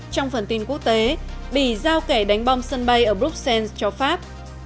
trong phần tin quốc tế bỉ giao kẻ đánh bom sân bay ở bruxelles cho pháp